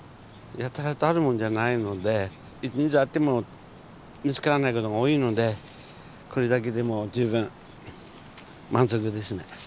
やたらとあるもんじゃないので一日あっても見つからないことが多いのでこれだけでも十分満足ですね。